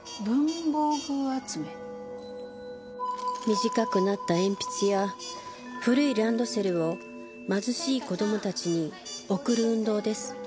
短くなった鉛筆や古いランドセルを貧しい子供たちに送る運動です。